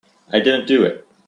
I didn't do it.